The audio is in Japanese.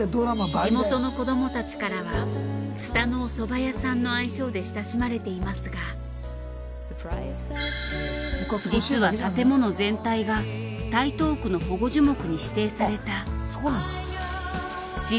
地元の子どもたちからはツタのお蕎麦屋さんの愛称で親しまれていますが実は建物全体が台東区の保護樹木に指定された。